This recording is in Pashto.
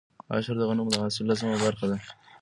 عشر د غنمو د حاصل لسمه برخه ده.